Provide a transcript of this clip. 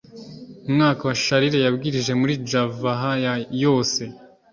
mwaka wa Charles yabwirije muri Java ha ya yose